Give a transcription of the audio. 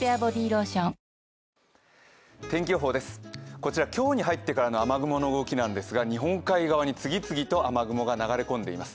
こちら今日に入ってからの雨雲の動きなんですが、日本海側に次々と雨雲が流れ込んでいます。